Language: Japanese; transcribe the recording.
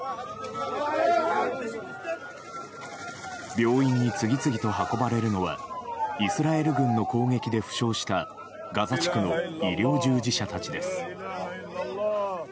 病院に次々と運ばれるのはイスラエル軍の攻撃で負傷したガザ地区の医療従事者たちです。